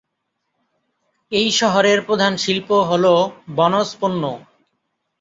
এই শহরের প্রধান শিল্প হলো বনজ পণ্য।